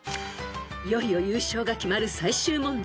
［いよいよ優勝が決まる最終問題。